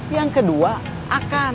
yang kedua akan